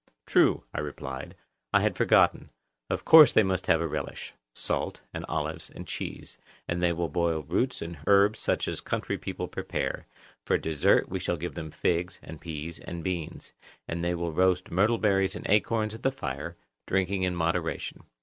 True, I replied, I had forgotten; of course they must have a relish—salt, and olives, and cheese, and they will boil roots and herbs such as country people prepare; for a dessert we shall give them figs, and peas, and beans; and they will roast myrtle berries and acorns at the fire, drinking in moderation.